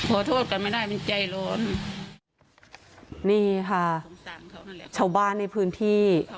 ขอโทษกันไม่ได้มันใจร้อนนี่ค่ะชาวบ้านในพื้นที่